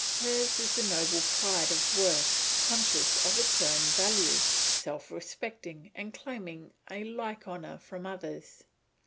Hers is the noble pride of worth, conscious of its own value, self respecting and claiming a like honour from others.